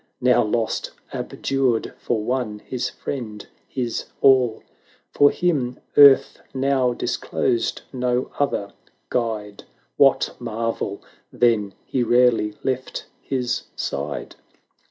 Now lost, abjured, for one — his friend, his all: For him earth now disclosed no other guide; What marvel then he rarely left his side